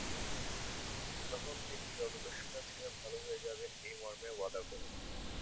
তখন তিনি জলদস্যুতা ছেড়ে ভাল হয়ে যাবেন এই মর্মে ওয়াদা করেন।